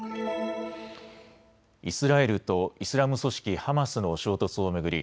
イスラエルとイスラム組織ハマスの衝突を巡り